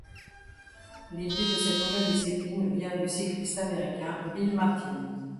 L'idée de cette nouvelle discipline vient du cycliste américain Bill Martin.